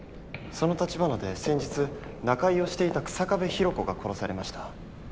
そのたちばなで先日仲居をしていた草壁弘子が殺されました。